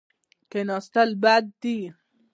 کښېناستل بد دي.